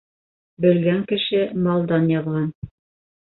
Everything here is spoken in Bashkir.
Бөлгән кеше малдан яҙған.